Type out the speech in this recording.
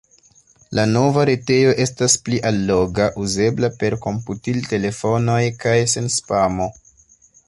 La nova retejo estas pli alloga, uzebla per komputiltelefonoj kaj sen spamo!